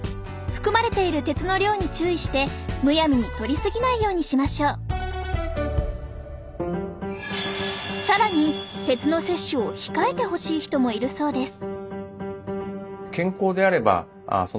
含まれている鉄の量に注意してむやみにとり過ぎないようにしましょうさらに鉄の摂取を控えてほしい人もいるそうです